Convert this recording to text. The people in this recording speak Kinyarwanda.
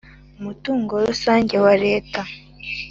Mutungo rusange wa leta